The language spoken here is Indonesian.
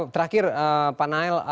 terakhir pak nael